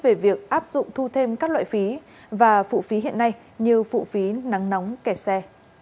về việc áp dụng thu thêm các loại phí và phụ phí hiện nay như phụ phí nắng nóng kẻ xe